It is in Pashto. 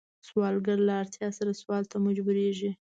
سوالګر له اړتیا سره سوال ته مجبوریږي